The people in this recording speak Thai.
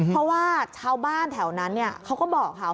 เพราะว่าชาวบ้านแถวนั้นเขาก็บอกค่ะ